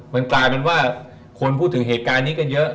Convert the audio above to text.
มันกลายเป็นว่าคนพูดถึงเหตุการณ์นี้กันเยอะ